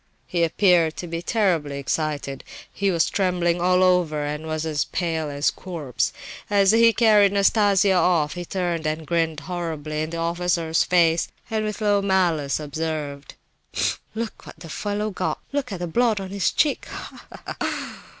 He appeared to be terribly excited; he was trembling all over, and was as pale as a corpse. As he carried Nastasia off, he turned and grinned horribly in the officer's face, and with low malice observed: "Tfu! look what the fellow got! Look at the blood on his cheek!